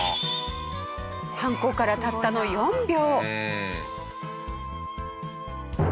犯行からたったの４秒。